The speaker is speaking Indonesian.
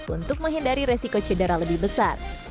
untuk menghindari resiko cedera lebih besar